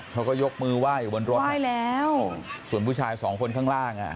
เขาก็ยกมือไหว้ไว้แล้วส่วนผู้ชายสองคนข้างล่างอ่ะ